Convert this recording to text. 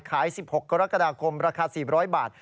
ขาย๑๖กรกฎากรมราคา๔๐๐บาท